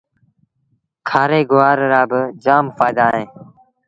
کآري گُوآر رآ با جآم ڦآئيٚدآ اوهيݩ۔